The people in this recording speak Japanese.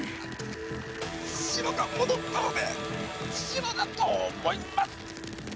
城が戻ったので城だと思います！